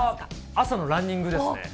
朝のランニングですね。